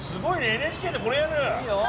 ＮＨＫでこれやる？